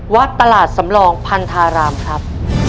วัดตลาดสำรองพันธารามครับ